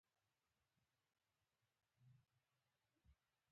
پورشوي کلمې د پښتو د سلیقې، تمدني اړیکو او ادبي تاریخ برخه ګرځېدلې دي،